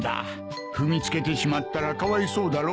踏み付けてしまったらかわいそうだろう？